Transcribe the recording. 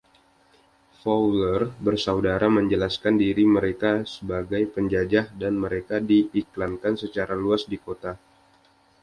Fowler bersaudara menjelaskan diri mereka sebagai "penjajah" dan mereka diiklankan secara luas di kota.